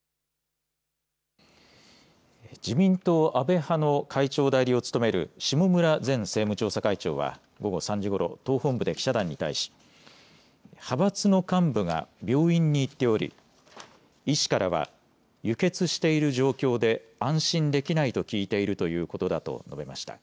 自民党安倍派の会長代理を務める下村前政務調査会長は午後３時ごろ党本部で記者団に対し派閥の幹部が病院に行っており医師からは輸血している状況で安心できないと聞いているということだと述べました。